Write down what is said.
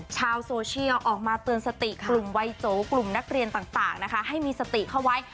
ชาวโซเชียลออกมาเตือนสติกลุ่มวัยโจกลุ่มนักเรียนต่างนะคะให้มีสติเข้าไว้